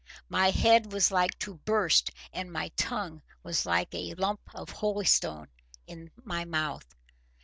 My head was like to burst, and my tongue was like a lump of holystone in my mouth.